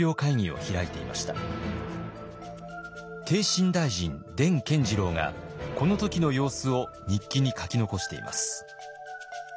逓信大臣田健治郎がこの時の様子を日記に書き残しています。